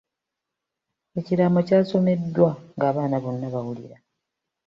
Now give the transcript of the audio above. Ekiraamo kyasomeddwa ng'abaana bonna bawulira.